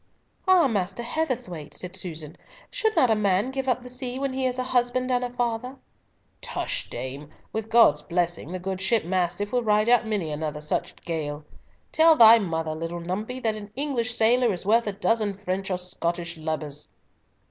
"Ah, Master Heatherthwayte," said Susan, "should not a man give up the sea when he is a husband and father?" "Tush, dame! With God's blessing the good ship Mastiff will ride out many another such gale. Tell thy mother, little Numpy, that an English sailor is worth a dozen French or Scottish lubbers."